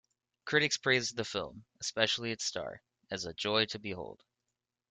Critics praised the film, especially its star, as "a joy to behold".